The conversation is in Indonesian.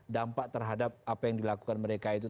dampak terhadap apa yang dilakukan mereka itu